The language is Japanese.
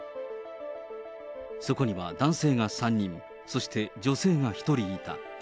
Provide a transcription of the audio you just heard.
そこには男性が３人、そして女性が１人いた。